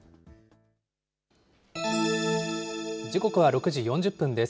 時刻は６時４０分です。